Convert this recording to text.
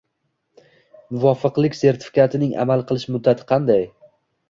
Muvofiqlik sertifikatining amal qilish muddati qanday?